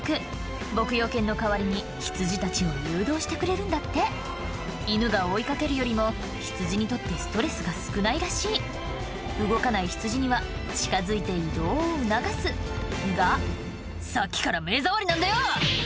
牧羊犬の代わりに羊たちを誘導してくれるんだって犬が追い掛けるよりも羊にとってストレスが少ないらしい動かない羊には近づいて移動を促すが「さっきから目障りなんだよ！」